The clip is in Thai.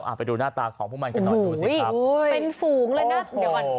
ไปดูหน้าตาของพวกมันกันหน่อยดูสิครับโอ้ยเป็นฝูงเลยนะเดี๋ยวก่อน